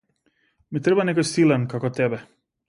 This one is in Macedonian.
Ми треба некој силен како тебе.